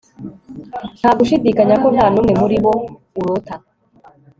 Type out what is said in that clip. nta gushidikanya ko nta n'umwe muri bo urota